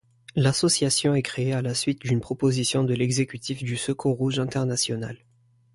L'association est créée à la suite d'une proposition de l'exécutif du Secours rouge international.